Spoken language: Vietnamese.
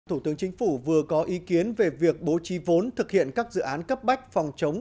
thủ tướng chính phủ vừa có ý kiến về việc bố trí vốn thực hiện các dự án cấp bách phòng chống